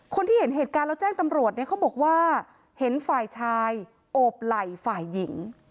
คนที่เห็นเหตุการณ์แล้วแจ้งตำรวจเนี่ยเขาบอกว่าเห็นฝ่ายชายโอบไหล่ฝ่ายหญิง